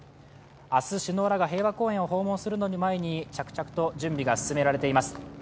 明日、首脳らが平和公園を訪問するのを前に、着々と準備が進められています。